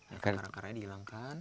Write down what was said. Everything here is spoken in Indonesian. akar akar yang dihilangkan